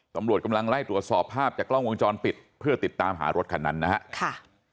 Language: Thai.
ตำรวจกำลังไล่ตรวจสอบภาพจากกล้องวงจรปิดเพื่อติดตามหารถคันนั้นนะครับ